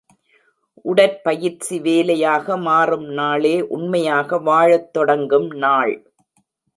உடற்பயிற்சி வேலையாக மாறும் நாளே உண்மையாக வாழத் தொடங்கும் நாள்.